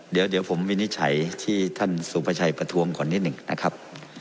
เดี๋ยวผมวินิจฉัยที่ท่านสุภาชัยประท้วงก่อนนิดหนึ่งนะครับ